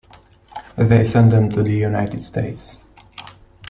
They sent them to the United States.